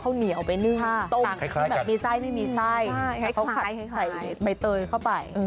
แบบมีไส้ไม่มีไส้ให้ขาดใส่ใบเตยเข้าไป